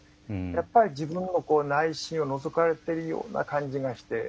やっぱり自分の内心をのぞかれているような感じがして。